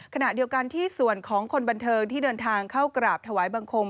ขณะเดียวกันที่ส่วนของคนบันเทิงที่เดินทางเข้ากราบถวายบังคม